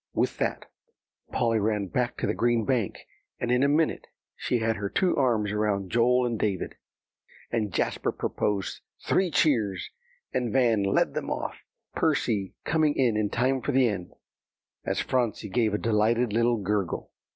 With that Polly ran back to the green bank, and in a minute she had her two arms around Joel and David. And Jasper proposed three cheers; and Van led them off, Percy coming in in time for the end, as Phronsie gave a delighted little gurgle.